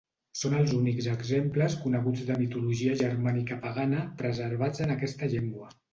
Són els únics exemples coneguts de mitologia germànica pagana preservats en aquesta llengua.